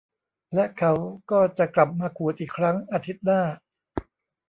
และเขาก็จะกลับมาขูดอีกครั้งอาทิตย์หน้า